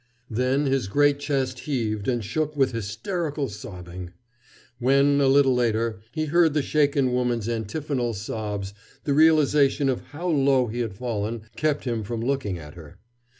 Then his great chest heaved and shook with hysterical sobbing. When, a little later, he heard the shaken woman's antiphonal sobs, the realization of how low he had fallen kept him from looking at her.